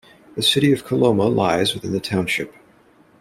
The city of Coloma lies within the township.